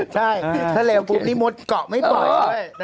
ใช่ถ้าเร็วปุ๊บนี่มดเกาะไม่ปล่อย